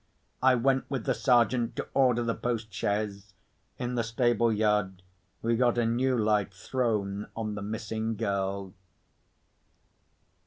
I went with the Sergeant to order the pony chaise. In the stable yard we got a new light thrown on the missing girl.